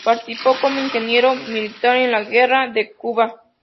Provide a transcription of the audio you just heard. Participó como ingeniero militar en la guerra de Cuba.